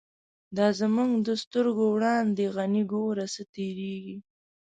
دا زمونږ د سترگو وړاندی، «غنی » گوره څه تیریږی